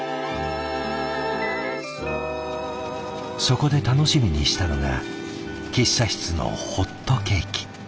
そこで楽しみにしたのが喫茶室のホットケーキ。